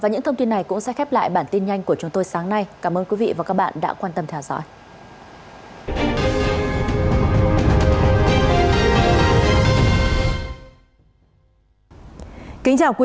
hẹn gặp lại bản tin nhanh của chúng tôi sáng nay cảm ơn quý vị và các bạn đã quan tâm theo dõi